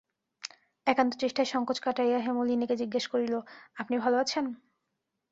একান্ত চেষ্টায় সংকোচ কাটাইয়া হেমনলিনীকে জিজ্ঞাসা করিল, আপনি ভালো আছেন?